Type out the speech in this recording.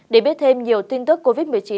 để biết thêm nhiều tin tức covid một mươi chín